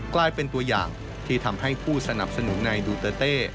กลายเป็นตัวอย่างที่ทำให้ผู้สนับสนุนในดูเตอร์เต้